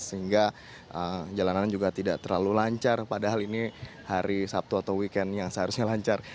sehingga jalanan juga tidak terlalu lancar padahal ini hari sabtu atau weekend yang seharusnya lancar